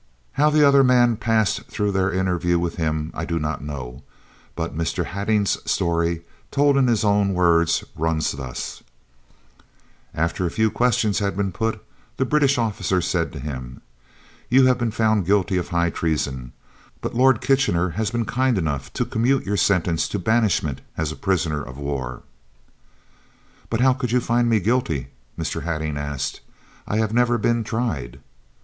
How the other men passed through their interview with him I do not know, but Mr. Hattingh's story, told in his own words, runs thus: After a few questions had been put, the British officer said to him: "You have been found guilty of high treason, but Lord Kitchener has been kind enough to commute your sentence to banishment as prisoner of war." "But how could you find me guilty?" Mr. Hattingh asked. "I have never been tried."